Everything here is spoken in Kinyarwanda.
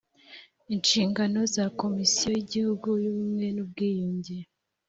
inshingano za komisiyo y’ igihugu y’ ubumwe n’ ubwiyunge